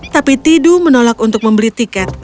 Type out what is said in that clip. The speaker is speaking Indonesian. tapi tidu menolak untuk membeli tiket